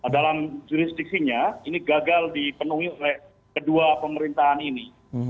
dalam jurisdiksinya ini gagal dipenuhi oleh kedua pemerintahan ini